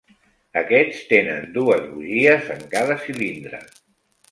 Aquests tenen dues bugies en cada cilindre.